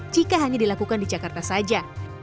jika hanya dilakukan di jakarta saja